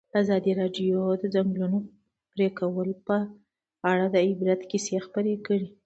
ازادي راډیو د د ځنګلونو پرېکول په اړه د عبرت کیسې خبر کړي.